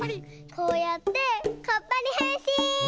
こうやってかっぱにへんしん！